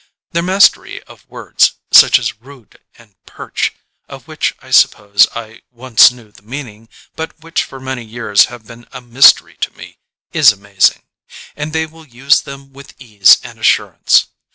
Their mastery of words such as rood and perch of which I suppose I once knew the meaning but which for many years have been a mystery to me, is amazing, and they will use them with ease and assurance.